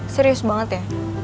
serius banget ya